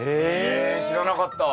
え知らなかった。